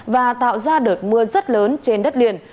và tạo ra đợt mưa rất lớn trên đất liền